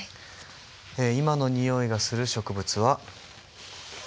今のにおいがする植物は。